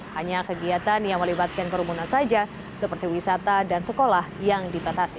hanya kegiatan yang melibatkan kerumunan saja seperti wisata dan sekolah yang dibatasi